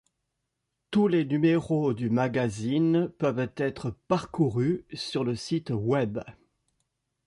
Tous les numéros du magazine peuvent être parcourus sur le site web.